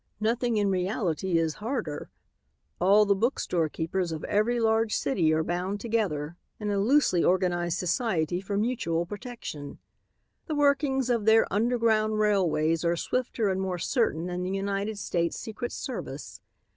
Nothing in reality is harder. All the bookstore keepers of every large city are bound together in a loosely organized society for mutual protection. The workings of their 'underground railways' are swifter and more certain than the United States Secret Service.